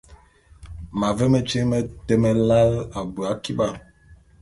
M’ave metyiŋ mete meláe abui akiba.